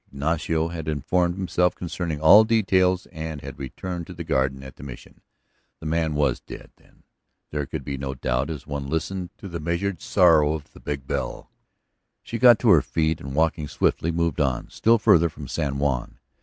Ignacio had informed himself concerning all details and had returned to the garden at the Mission. The man was dead, then. There could be no doubt as one listened to the measured sorrowing of the big bell. She got to her feet and, walking swiftly, moved on, still farther from San Juan.